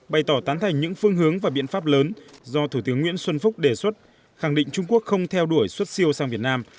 bày tỏ tán thành những phương hướng và biện pháp lớn do thủ tướng nguyễn xuân phúc đề xuất khẳng định trung quốc không theo đuổi xuất siêu sang việt nam